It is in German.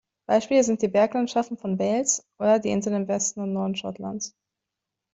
Beispiele sind die Berglandschaften von Wales oder die Inseln im Westen und Norden Schottlands.